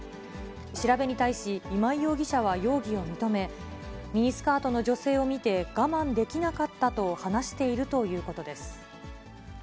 調べに対し今井容疑者は容疑を認め、ミニスカートの女性を見て、我慢できなかったと話しているということです。